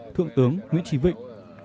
thượng tướng nguyễn trí vịnh